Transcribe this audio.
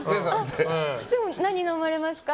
でも何飲まれますか？